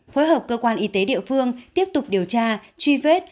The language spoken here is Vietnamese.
phối hợp cơ quan y tế địa phương tiếp tục điều tra truy vết